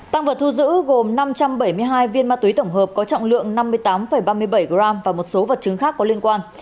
tăng vật thu giữ gồm năm trăm bảy mươi hai viên ma túy tổng hợp có trọng lượng năm mươi tám ba mươi bảy g và một số vật chứng khác có liên quan